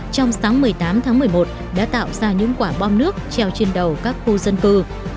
trong sáng một mươi tám tháng một mươi một đã tạo ra những quả bom nước treo trên đầu các khu dân cư